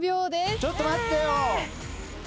ちょっと待ってよ。